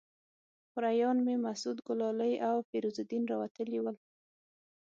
خوریان مې مسعود ګلالي او فیروز الدین راوتلي ول.